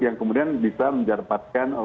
yang kemudian bisa menjadatkan